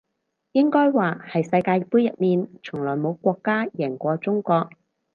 應該話係世界盃入面從來冇國家贏過中國